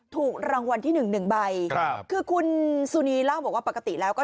ถูกรางวัลที่หนึ่งหนึ่งใบครับคือคุณสุนีเล่าบอกว่าปกติแล้วก็